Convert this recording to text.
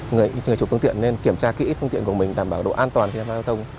người chủ phương tiện nên kiểm tra kỹ phương tiện của mình đảm bảo độ an toàn khi tham gia giao thông